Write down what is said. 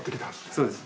そうです。